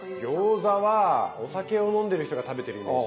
餃子はお酒を飲んでる人が食べてるイメージ。